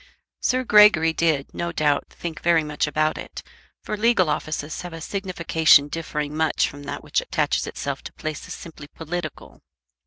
Sir Gregory did, no doubt, think very much about it; for legal offices have a signification differing much from that which attaches itself to places simply political.